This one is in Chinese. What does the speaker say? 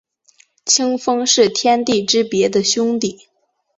清风是天地之别的兄弟。